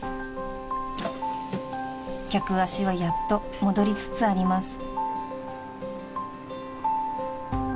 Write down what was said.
［客足はやっと戻りつつあります］